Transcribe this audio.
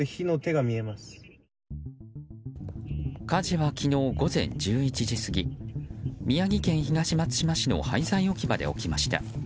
火事は、昨日午前１１時過ぎ宮城県東松島市の廃材置き場で起きました。